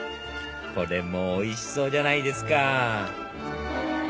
これもおいしそうじゃないですか！